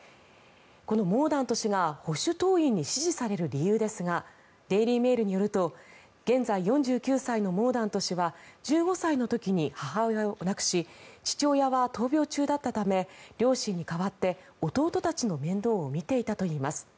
このモーダント氏が保守党員に支持される理由ですがデイリー・メールによると現在、４９歳のモーダント氏は１５歳の時に母親を亡くし父親は闘病中だったため両親に代わって弟たちの面倒を見ていたといいます。